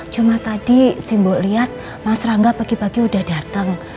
cuma tadi si mbok liat mas rangga pagi pagi udah dateng